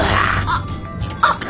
あっあっ！